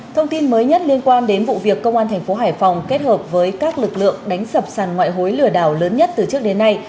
thông tin mới nhất liên quan đến vụ việc công an thành phố hải phòng kết hợp với các lực lượng đánh sập sàn ngoại hối lừa đảo lớn nhất từ trước đến nay